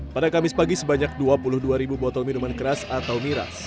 pada kamis pagi sebanyak dua puluh dua ribu botol minuman keras atau miras